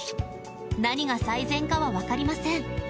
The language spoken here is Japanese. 何が最善かは分かりません